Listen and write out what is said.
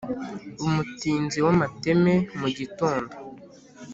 umutinzi w'amateme mu gitondo,